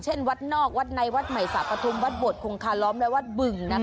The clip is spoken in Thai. เช่นวัดนอกวัดในวัดใหม่สาปทุมวัดโบดคงคล้อลอมและวัดบึงนะคะ